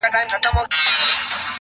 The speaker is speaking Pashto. د پاچا په زړه کي ځای یې وو نیولی.!